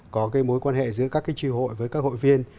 có cái mối quan hệ giữa các cái tri hội với các hội viên